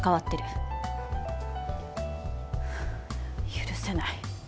許せない。